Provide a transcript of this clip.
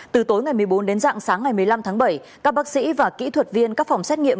từ tối ngày một mươi bốn đến dạng sáng ngày một mươi năm tháng bảy các bác sĩ và kỹ thuật viên các phòng xét nghiệm